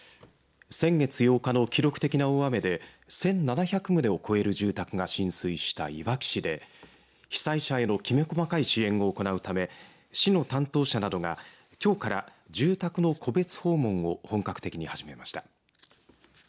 先月８日の記録的な大雨で１７００棟を超える住宅が浸水したいわき市で被災者へのきめ細かい支援を行うため市の担当者などが、きょうから住宅の戸別訪問を本格的に始めました。